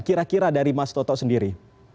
kira kira dari mas toto sendiri